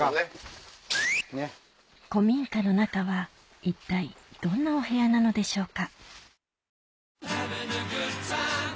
古民家の中は一体どんなお部屋なのでしょうか？